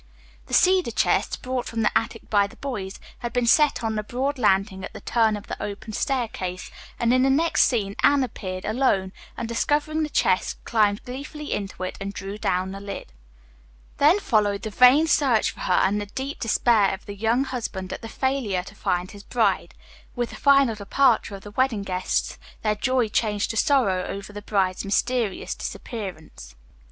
The cedar chest, brought from the attic by the boys, had been set on the broad landing at the turn of the open staircase, and in the next scene Anne appeared, alone, and discovering the chest climbed gleefully into it and drew the lid down. Then followed the vain search for her and the deep despair of the young husband at the failure to find his bride, with the final departure of the wedding guests, their joy changed to sorrow over the bride's mysterious disappearance.